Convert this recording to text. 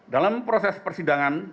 dalam proses persidangan